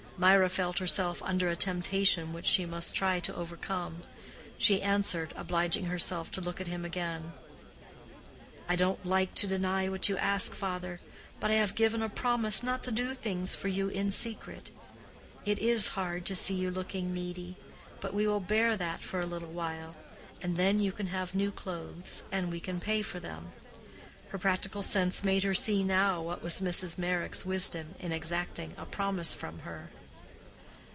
Mirah felt herself under a temptation which she must try to overcome. She answered, obliging herself to look at him again, "I don't like to deny you what you ask, father; but I have given a promise not to do things for you in secret. It is hard to see you looking needy; but we will bear that for a little while; and then you can have new clothes, and we can pay for them." Her practical sense made her see now what was Mrs. Meyrick's wisdom in exacting a promise from her.